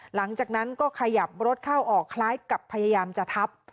หลังจากนั้นก็ขยับรถเข้าออกคล้ายกับพยายามจะทับ